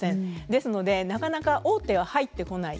ですのでなかなか大手は入ってこない。